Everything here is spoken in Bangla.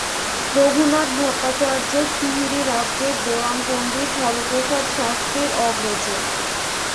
রঘুনাথ ভট্টাচার্য টিহিরী রাজ্যের দেওয়ান, পণ্ডিত হরপ্রসাদ শাস্ত্রীর অগ্রজ।